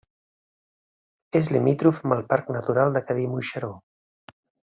És limítrof amb el Parc Natural del Cadí-Moixeró.